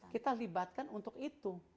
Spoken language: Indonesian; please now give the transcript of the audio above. kita libatkan untuk itu